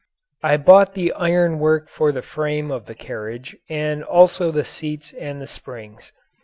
I bought the iron work for the frame of the carriage and also the seat and the springs.